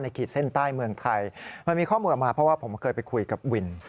ขีดเส้นใต้เมืองไทยมันมีข้อมูลออกมาเพราะว่าผมเคยไปคุยกับวิน